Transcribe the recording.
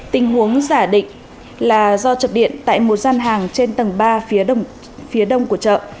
tình huống giả định là do chập điện tại một gian hàng trên tầng ba phía đông của chợ